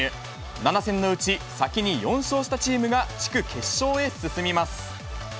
７戦のうち、先に４勝したチームが地区決勝へ進みます。